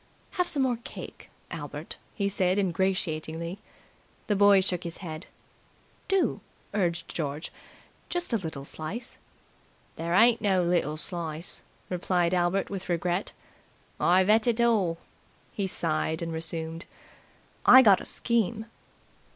"Have some more cake, Albert," he said ingratiatingly. The boy shook his head. "Do," urged George. "Just a little slice." "There ain't no little slice," replied Albert with regret. "I've ate it all." He sighed and resumed. "I gotta scheme!"